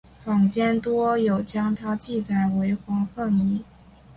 坊间多有将她记载为黄凤仪。